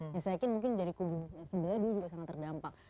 ya saya yakin mungkin dari kubu sebelah dulu juga sangat terdampak